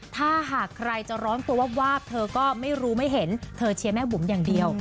ถ้าหากใครจะร้อนตัววาบเธอก็ไม่รู้ไม่เห็นเธอเชียร์แม่บุ๋มอย่างเดียว